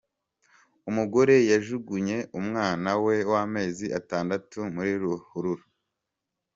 Umugore yajugunye umwana we w’amezi atandatu muri ruhurura .